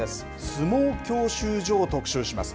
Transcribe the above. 相撲教習所を特集します。